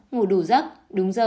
sáu ngủ đủ giấc đúng giờ